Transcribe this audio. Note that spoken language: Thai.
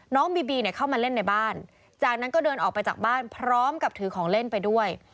บีบีเนี่ยเข้ามาเล่นในบ้านจากนั้นก็เดินออกไปจากบ้านพร้อมกับถือของเล่นไปด้วย